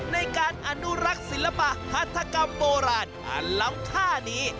ในการอนุรักษ์ศิลปะฮาธกรรมโบราณอารมณ์ค่านี้